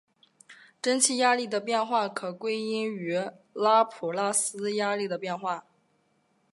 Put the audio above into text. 蒸气压力的变化可归因于拉普拉斯压力的变化。